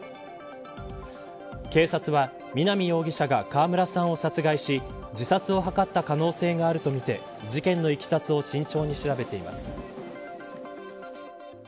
警察は南容疑者が川村さんを殺害し自殺を図った可能性があるとみて事件のいきさつを慎重に調べています。